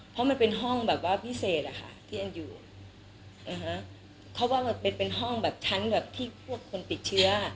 เพราะมันเป็นห้องแบบว่าพิเศษอะค่ะที่แอนอยู่นะคะเขาว่ามันเป็นเป็นห้องแบบชั้นแบบที่พวกคนติดเชื้อ